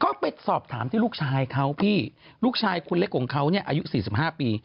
เขาไปสอบถามที่ลูกชายเขาลูกชายคุณเล็กของเขาอายุ๔๕ปี